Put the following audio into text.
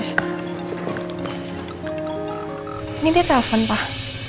ini dia telepon pak